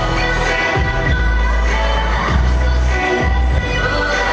สวัสดีครับ